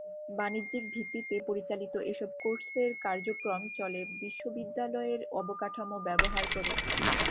বাণিজ্যিক ভিত্তিতে পরিচালিত এসব কোর্সের কার্যক্রম চলে বিশ্ববিদ্যালয়ের অবকাঠামো ব্যবহার করে।